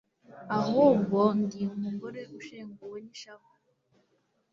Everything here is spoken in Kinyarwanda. ahubwo ndi umugore ushenguwe n'ishavu